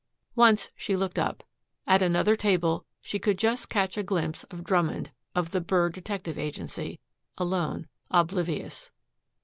Once she looked up. At another table she could just catch a glimpse of Drummond, of the Burr Detective Agency, alone, oblivious.